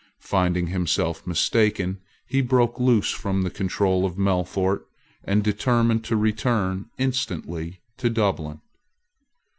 Finding himself mistaken, he broke loose from the control of Melfort, and determined to return instantly to Dublin.